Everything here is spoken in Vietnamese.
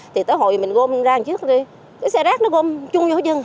thì tới hồi mình gom ra một chút cái xe rác nó gom chung vô chừng